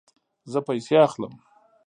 زه پیسې اخلم